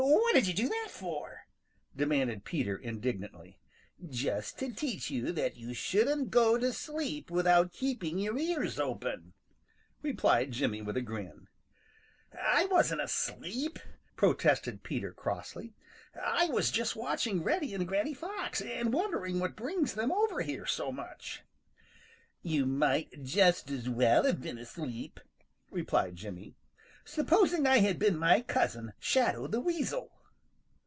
"What did you do that for?" demanded Peter indignantly. "Just to teach you that you shouldn't go to sleep without keeping your ears open," replied Jimmy with a grin. "I wasn't asleep!" protested Peter crossly. "I was just watching Reddy and Granny Fox and wondering what brings them over here so much." "You might just as well have been asleep," replied Jimmy. "Supposing I had been my cousin, Shadow the Weasel."